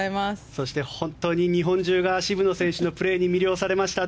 そして、本当に日本中が渋野選手のプレーに魅了されました。